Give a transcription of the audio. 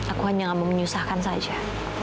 aku hanya gak mau menyusahkan saja